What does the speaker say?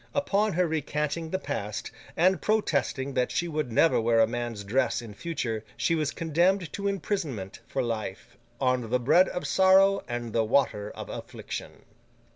Upon her recanting the past, and protesting that she would never wear a man's dress in future, she was condemned to imprisonment for life, 'on the bread of sorrow and the water of affliction.